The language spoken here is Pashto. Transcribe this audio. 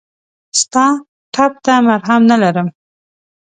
ستا ټپ ته مرهم نه لرم !